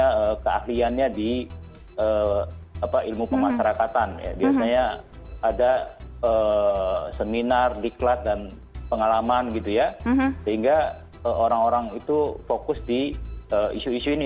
karena keahliannya di ilmu pemasarakatan ya biasanya ada seminar diklat dan pengalaman gitu ya sehingga orang orang itu fokus di isu isu ini